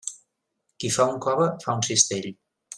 Qui fa un cove fa un cistell.